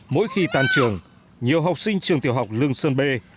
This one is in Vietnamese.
mỗi khi tàn trường nhiều học sinh trường tiểu học lương sơn b